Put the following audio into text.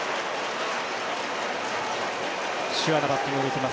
シュアなバッティングを見せます